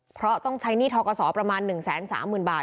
เพราะต้องใช้หนี้ทกศประมาณ๑๓๐๐๐บาท